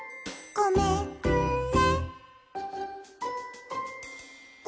「ごめんね」